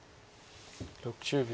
６０秒。